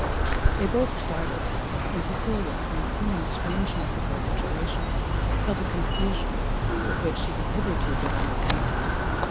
They both started, and Cecilia, from the seeming strangeness of her situation, felt a confusion with which she had hitherto been unacquainted.